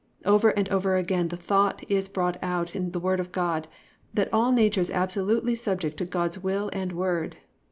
Over and over again the thought is brought out in the Word of God that all nature is absolutely subject to God's will and word.